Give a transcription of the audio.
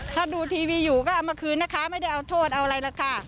ถ้าดูทีวีอยู่ก็เอามาคืนนะคะไม่ได้เอาโทษเอาอะไรหรอกค่ะ